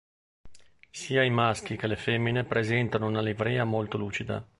Sia i maschi che le femmine presentano una livrea molto lucida.